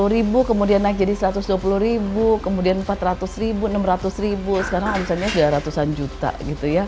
sepuluh ribu kemudian naik jadi satu ratus dua puluh ribu kemudian empat ratus ribu enam ratus ribu sekarang omsetnya sudah ratusan juta gitu ya